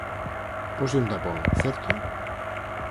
Poslle un tapón, certo?